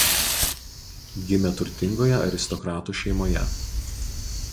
Gimė turtingoje aristokratų šeimoje.